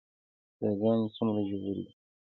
څاه ګانې څومره ژورې وي؟